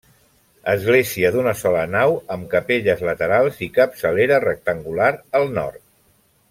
Església d'una sola nau amb capelles laterals i capçalera rectangular al nord.